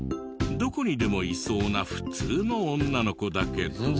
どこにでもいそうな普通の女の子だけど。